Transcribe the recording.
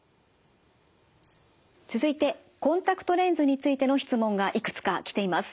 続いてコンタクトレンズについての質問がいくつか来ています。